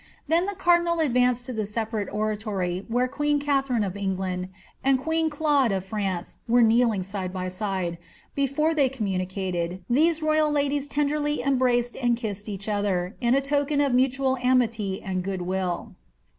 Then the cardinal advanced to the separate oratory where queen Katharine of England and queen Claude of France were kneeling side by side ; before they conununicated, these royal ladies tenderiy embraced and kissed each other, in token of mutoal amity and good will.